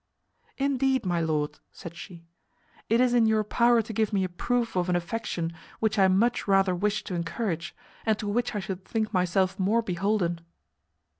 "Indeed, my lord," said she, "it is in your power to give me a proof of an affection which I much rather wish to encourage, and to which I should think myself more beholden."